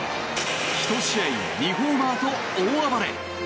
１試合２ホーマーと大暴れ。